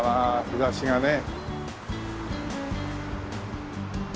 日差しがね。